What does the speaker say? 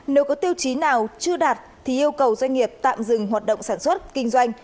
nếu có tiêu chí nào chưa đạt thì yêu cầu doanh nghiệp tạm dừng hoạt động sản xuất kinh doanh